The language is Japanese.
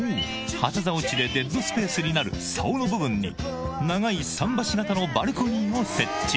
旗竿地でデッドスペースになる竿の部分に長い桟橋型のバルコニーを設置